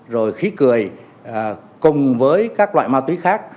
rồi khí cười cùng với các loại ma túy khác